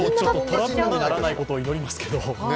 トラブルにならないことを祈りますけど。